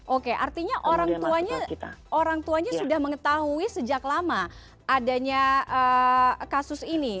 oke artinya orang tuanya sudah mengetahui sejak lama adanya kasus ini